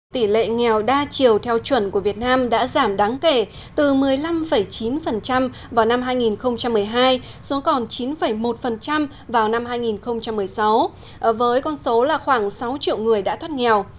tỷ lệ nghèo đa chiều theo chuẩn của việt nam đã giảm đáng kể từ một mươi năm chín vào năm hai nghìn một mươi hai xuống còn chín một vào năm hai nghìn một mươi sáu với con số là khoảng sáu triệu người đã thoát nghèo